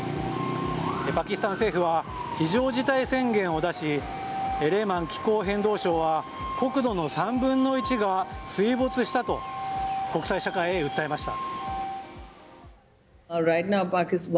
パキスタン政府は非常事態宣言を出しレーマン気候変動相は国土の３分の１が水没したと国際社会へ訴えました。